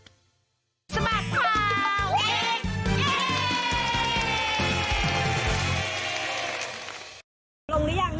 หอมแล้วค่ะอ๋อผอมต้องกี่โลค่ะ